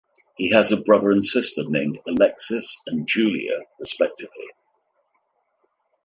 He has a brother and sister, named Alexis and Julia respectively.